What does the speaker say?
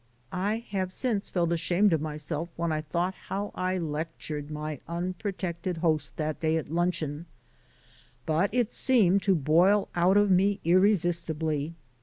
I have since felt ashamed of myself when I thought how I lectured my unprotected host that day at luncheon; but it seemed to boil out of me irresistibly.